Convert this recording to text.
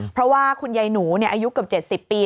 เพราะว่าคุณยายหนูอายุเกือบ๗๐ปี